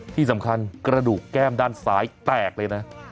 ที่สำคัญกระดูกแก้มด้านซ้ายแตกเลยนะ